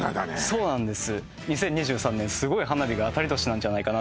そうなんです